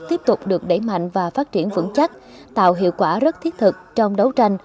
tiếp tục được đẩy mạnh và phát triển vững chắc tạo hiệu quả rất thiết thực trong đấu tranh